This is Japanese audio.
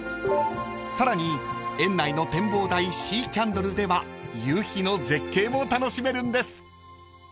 ［さらに園内の展望台シーキャンドルでは夕日の絶景も楽しめるんです］